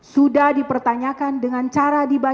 sudah dipertanyakan dengan cara yang tersebut